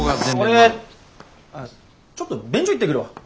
俺ちょっと便所行ってくるわ。